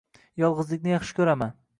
Yolg`izlikni yaxshi ko`raman